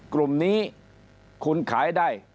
กลุ่มนี้คุณขายได้